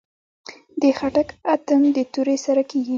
د خټک اتن د تورې سره کیږي.